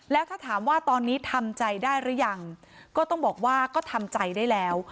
แล้วถ้าถามว่าตอนนี้ทำใจได้หรือยังก็ต้องบอกว่าก็ทำใจได้แล้ว